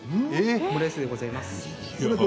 オムライスでございます。